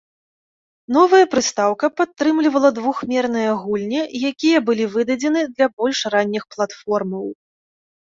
Новая прыстаўка падтрымлівала двухмерныя гульні якія былі выдадзены для больш ранніх платформаў.